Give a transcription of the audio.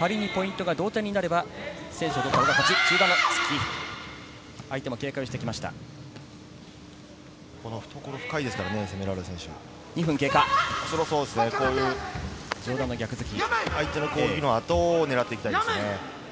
仮にポイントが同点になれば先取を取った、入って相手も警戒してきました、相手の攻撃のあとを狙っていきたいですね。